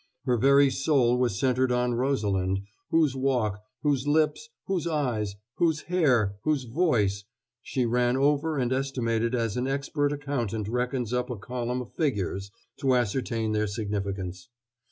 Her very soul was centered on Rosalind, whose walk, whose lips, whose eyes, whose hair, whose voice, she ran over and estimated as an expert accountant reckons up a column of figures to ascertain their significance.